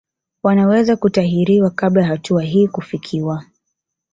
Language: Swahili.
Wanaweza kutahiriwa kabla ya hatua hii kufikiwa